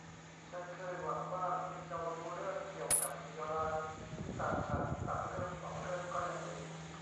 ฉันเคยหวังว่าคุณจะรู้เรื่องเกี่ยวกับผีร้ายที่ตามฉัน สักเรื่องสองเรื่องก็ยังดี